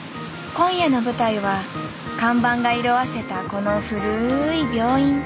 今夜の舞台は看板が色あせたこの古い病院。